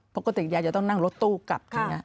ปกติยายจะต้องนั่งรถตู้กลับใช่ไหม